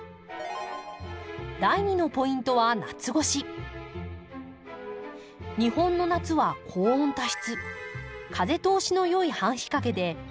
第２のポイントは日本の夏は高温多湿。